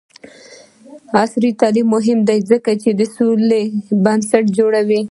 عصري تعلیم مهم دی ځکه چې د سولې بنسټ جوړوي.